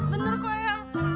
bener kok ya